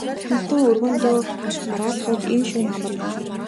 Хатантан өргөөндөө бараалхаж энэ шөнө амарна уу?